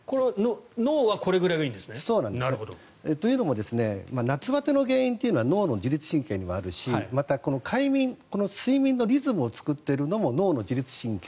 脳はこれぐらいがいいんですね。というのも夏バテの原因というのは脳の自律神経にあるしまた、快眠睡眠のリズムを作っているのも脳の自律神経。